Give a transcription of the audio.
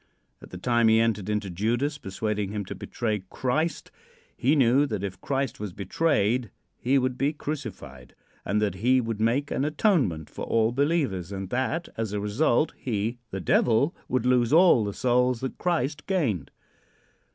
At the time he entered into Judas, persuading him to betray Christ, he knew that if Christ was betrayed he would be crucified, and that he would make an atonement for all believers, and that, as a result, he, the Devil, would lose all the souls that Christ gained.